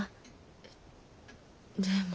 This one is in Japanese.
えっでも。